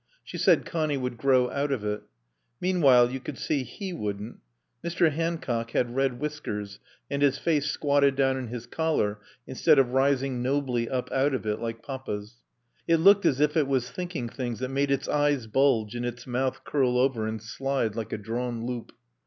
She said Connie would grow out of it. Meanwhile you could see he wouldn't. Mr. Hancock had red whiskers, and his face squatted down in his collar, instead of rising nobly up out of it like Papa's. It looked as if it was thinking things that made its eyes bulge and its mouth curl over and slide like a drawn loop.